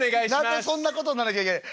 「何でそんなことになんなきゃいけない。